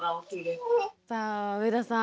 さあ上田さん。